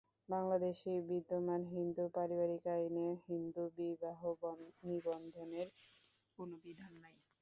বাংলাদেশে বিদ্যমান হিন্দু পারিবারিক আইনে হিন্দু বিবাহ নিবন্ধনের কোন বিধান নাই।